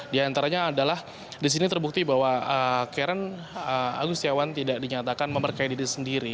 di antaranya adalah di sini terbukti bahwa karen agustiawan tidak dinyatakan memberkai diri sendiri